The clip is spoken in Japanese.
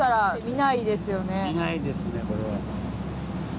見ないですねこれは。